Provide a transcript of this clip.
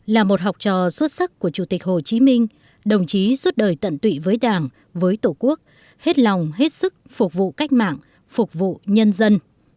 là một học trò xuất sắc của chủ tịch hồ chí minh đồng chí suốt đời tận tụy với đảng với tổ quốc hết lòng hết sức phục vụ cách mạng phục vụ nhân dân